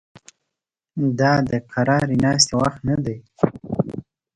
دا د قرارې ناستې وخت نه دی